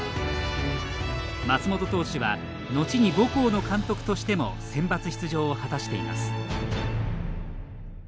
松本投手はのちに母校の監督としてもセンバツ出場を果たしています。